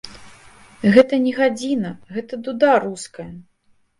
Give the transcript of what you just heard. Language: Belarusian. Гэта не гадзіна, гэта дуда руская.